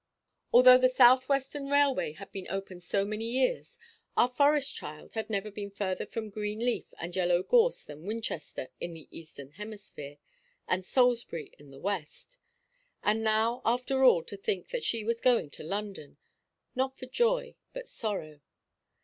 Although the South–Western Railway had been open so many years, our forest–child had never been further from green leaf and yellow gorse than Winchester in the eastern hemisphere, and Salisbury in the western. And now after all to think that she was going to London, not for joy, but sorrow.